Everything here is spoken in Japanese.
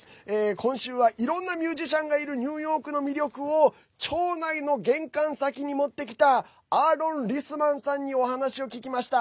今週はいろんなミュージシャンがいるニューヨークの魅力を町内の玄関先に持ってきたアーロン・リスマンさんにお話を聞きました。